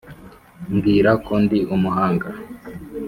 mbwira ko ndi umuhanga,